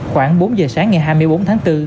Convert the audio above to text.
khoảng bốn giờ sáng ngày hai mươi bốn tháng bốn